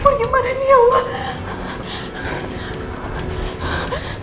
buat gimana ini ya allah